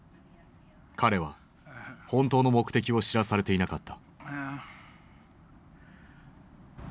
彼は本当の目的を知らされていなかった。